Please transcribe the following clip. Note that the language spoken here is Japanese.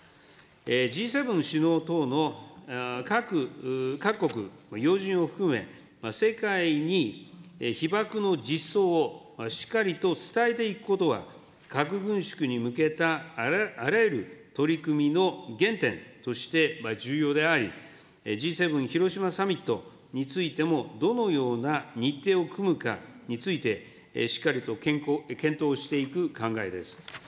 Ｇ７首脳等の各国要人を含め、世界に被爆の実相をしっかりと伝えていくことは、核軍縮に向けたあらゆる取り組みの原点として重要であり、Ｇ７広島サミットについても、どのような日程を組むかについて、しっかりと検討していく考えです。